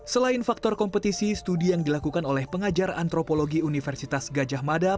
selain faktor kompetisi studi yang dilakukan oleh pengajar antropologi universitas gajah mada